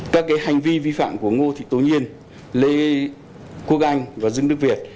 các hành vi vi phạm của ngô thị tố nhiên lê quốc anh và dương đức việt